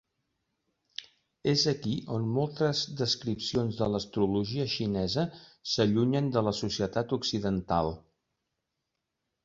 És aquí on moltes descripcions de l'astrologia xinesa s'allunyen de la societat occidental.